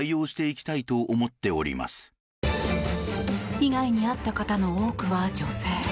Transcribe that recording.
被害に遭った方の多くは女性。